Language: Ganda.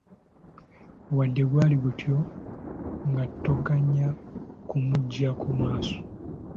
Wadde gwali gutyo, nga toganya kumuggyako maaso.